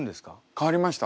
変わりました。